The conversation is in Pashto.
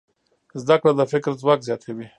زده کړه د فکر ځواک زیاتوي.